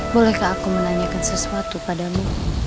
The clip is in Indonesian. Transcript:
bolehkah aku menanyakan sesuatu padamu